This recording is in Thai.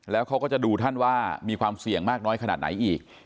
แล้วเขาก็จะดูท่านว่ามีความเสี่ยงมากน้อยขนาดไหนอีก